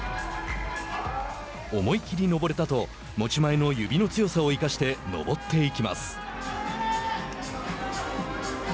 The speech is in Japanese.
思いきり登れたと持ち前の指の強さを生かして登っていきます。